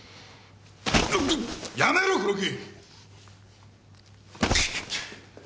やめろ黒木！